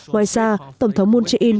ngoài ra tổng thống moon jae in